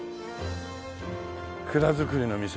蔵造りの店。